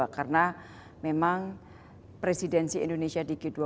karena memang presidensi indonesia di g dua puluh